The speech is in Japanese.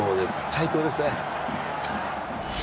最高ですね。